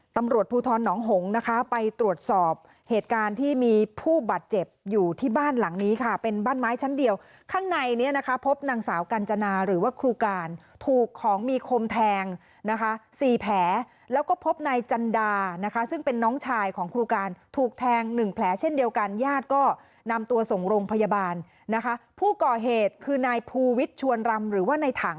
ตำรวจภูทรหนองหงนะคะไปตรวจสอบเหตุการณ์ที่มีผู้บาดเจ็บอยู่ที่บ้านหลังนี้ค่ะเป็นบ้านไม้ชั้นเดียวข้างในเนี่ยนะคะพบนางสาวกัญจนาหรือว่าครูการถูกของมีคมแทงนะคะสี่แผลแล้วก็พบนายจันดานะคะซึ่งเป็นน้องชายของครูการถูกแทงหนึ่งแผลเช่นเดียวกันญาติก็นำตัวส่งโรงพยาบาลนะคะผู้ก่อเหตุคือนายภูวิทย์ชวนรำหรือว่าในถัง